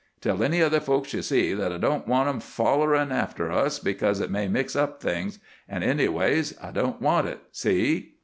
Tell any other folks you see that I don't want 'em follerin' after us, because it may mix up things—an' anyways, I don't want it, see!"